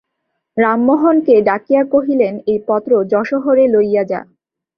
রামমোহনকে ডাকিয়া কহিলেন, এই পত্র যশোহরে লইয়া যা।